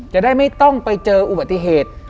จะได้ไม่ต้องไปเจออุบัติเหตุ